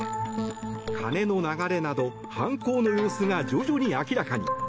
金の流れなど犯行の様子が徐々に明らかに。